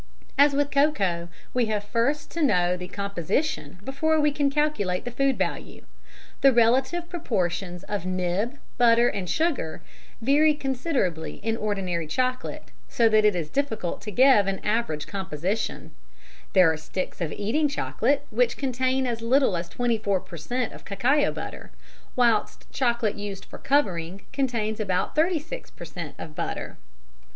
As with cocoa, we have first to know the composition before we can calculate the food value. The relative proportions of nib, butter and sugar, vary considerably in ordinary chocolate, so that it is difficult to give an average composition: there are sticks of eating chocolate which contain as little as 24 per cent. of cacao butter, whilst chocolate used for covering contains about 36 per cent. of butter.